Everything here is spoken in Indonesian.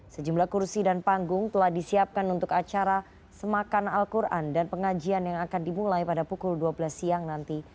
sejumlah kursi dan panggung telah disiapkan untuk acara semakan al quran dan pengajian yang akan dimulai pada pukul dua belas siang nanti